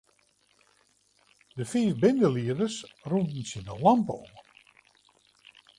De fiif bindelieders rûnen tsjin 'e lampe oan.